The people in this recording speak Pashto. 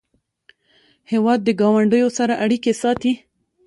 هېواد د ګاونډیو سره اړیکې ساتي.